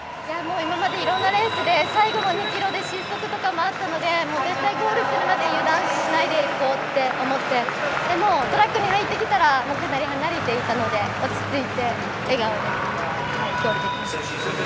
今までいろんなレースで最後の２ｋｍで失速とかあったので、絶対ゴールするまで油断しないでいこうって思ってでも、トラックに入ってきたらかなり離れていたので落ち着いて笑顔で。